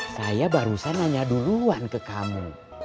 saya baru saja nanya duluan ke kamu